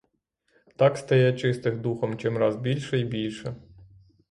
Так стає чистих духом чимраз більше й більше.